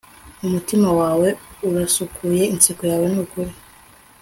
umutima wawe urasukuye, inseko yawe nukuri